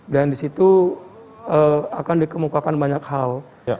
dan di situ akan dikemukakan banyak hal